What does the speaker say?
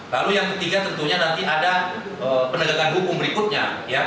lalu yang ketiga tentunya nanti ada penegakan hukum berikutnya